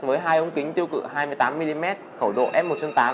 với hai ống kính tiêu cự hai mươi tám mm khẩu độ f một tám